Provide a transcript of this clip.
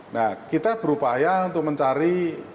nah kita berupaya untuk mencari